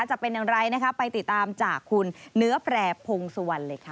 จะเป็นอย่างไรนะคะไปติดตามจากคุณเนื้อแปรพงศวรรณเลยค่ะ